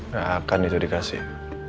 gak akan itu dikasih